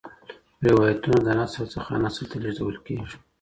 روايتونه له نسل نه نسل ته ليږدي.